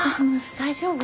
大丈夫？